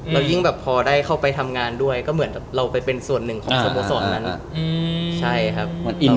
แล้วยิ่งแบบพอได้เข้าไปทำงานด้วยก็เหมือนเราไปเป็นส่วนหนึ่งของสโมสรนั้นใช่ครับ